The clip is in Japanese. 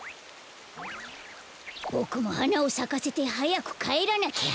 ボクもはなをさかせてはやくかえらなきゃ。